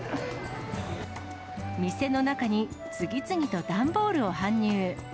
店の中に次々と段ボールを搬入。